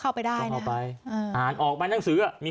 กลับมาเล่าให้ฟังครับ